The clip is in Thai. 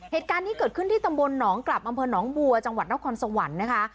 เหตุการณ์นี้เกิดขึ้นที่ตำบลหนองกลับอำเภอหนองบัวจังหวัดนครสวรรค์นะคะ